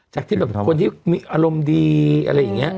จากที่แบบคนที่มีอารมณ์ดีอะไรอย่างนี้